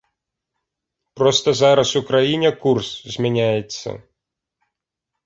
Проста зараз у краіне курс змяняецца.